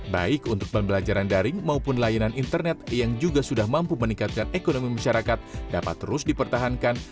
baik untuk pembelajaran daring maupun layanan internet yang juga sudah mampu meningkatkan ekonomi masyarakat dapat terus dipertahankan